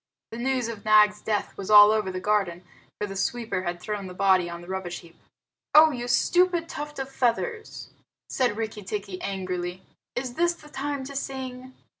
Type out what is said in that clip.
The news of Nag's death was all over the garden, for the sweeper had thrown the body on the rubbish heap. "Oh, you stupid tuft of feathers!" said Rikki tikki angrily. "Is this the time to sing?"